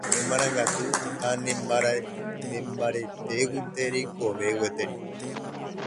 Nemarangatu ha nembaretéguinte reikove gueteri.